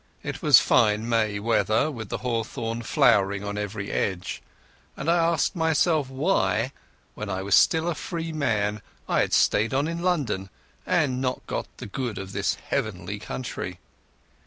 It was fine May weather, with the hawthorn flowering on every hedge, and I asked myself why, when I was still a free man, I had stayed on in London and not got the good of this heavenly country.